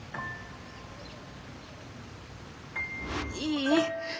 いい？